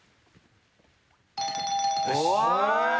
お！